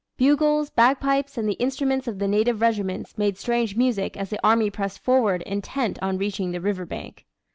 Bugles, bagpipes, and the instruments of the native regiments made strange music as the army pressed forward intent on reaching the river bank.